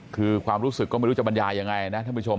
คือความรู้สึกก็ไม่รู้จะบรรยายยังไงนะท่านผู้ชม